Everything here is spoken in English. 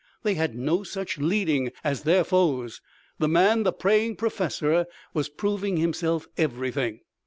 They had no such leading as their foes. The man, the praying professor, was proving himself everything.